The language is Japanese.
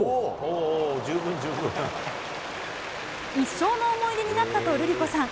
一生の思い出になったと、ルリ子さん。